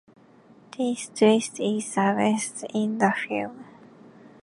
This twist is absent in the film.